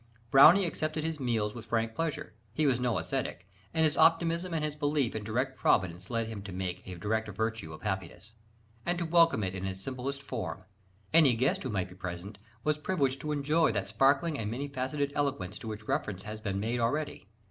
Browning accepted his meals with frank pleasure; he was no ascetic, and "his optimism and his belief in direct Providence led him to make a direct virtue of happiness," and to welcome it in its simplest form. Any guest who might be present was privileged to enjoy that sparkling and many faceted eloquence to which reference has been made already.